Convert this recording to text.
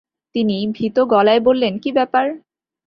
তিনি ভীত গলায় বললেন, কী ব্যাপার?